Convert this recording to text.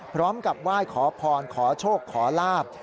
พร้อมกับไหว้ขอพรขอโชคขอลาบ